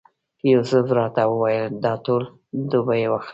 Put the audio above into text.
یوسف راته وویل دا ټول ډبې واخله.